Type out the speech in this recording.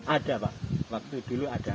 ada pak waktu dulu ada